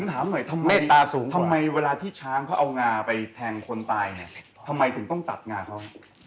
ถามหน่อยทำไมตาสูงทำไมเวลาที่ช้างเขาเอางาไปแทงคนตายเนี่ยทำไมถึงต้องตัดงาเขา